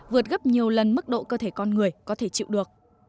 vượt gấp nhiều lần mức độ cơ thể con người có thể chịu được